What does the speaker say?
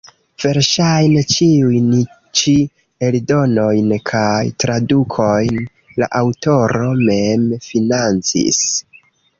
Verŝajne ĉiujn ĉi eldonojn kaj tradukojn la aŭtoro mem financis.